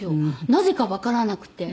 なぜかわからなくて。